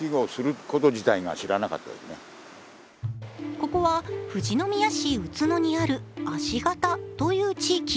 ここは富士宮市内野にある足形という地域。